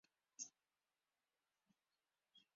There's too much of Mr. Nosey Parker about you.